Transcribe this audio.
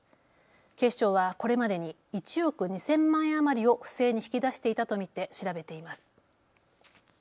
警視庁はこれまでに１億２０００万円余りを不正に引き出していたと見て調べています。